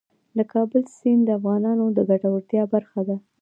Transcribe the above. د کابل سیند د افغانانو د ګټورتیا برخه ده.